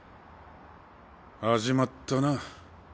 始まったな。